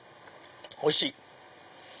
おいしい！